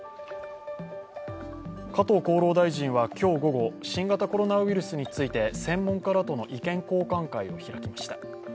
加藤厚労大臣は今日午後新型コロナウイルスについて専門家らとの意見交換会を開きました。